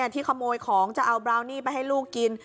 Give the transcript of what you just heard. ที่ขโมยของจะเอาบราวนี่ไปให้ลูกกิน